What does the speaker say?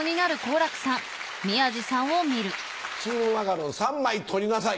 チームマカロン３枚取りなさい。